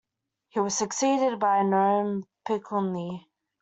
He was succeeded by Noam Pikelny.